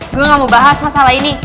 gue gak mau bahas masalah ini